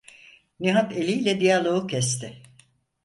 Nihat eliyle diyaloğu kesti: